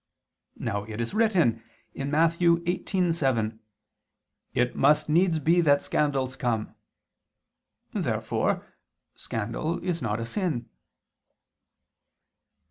Now it is written (Matt. 18:7): "It must needs be that scandals come." Therefore scandal is not a sin.